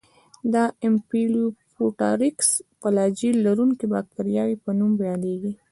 د امفیلوفوټرایکس فلاجیل لرونکو باکتریاوو په نوم یادیږي.